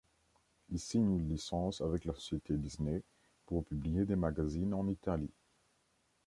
Il signe une licence avec la société Disney pour publier des magazines en Italie.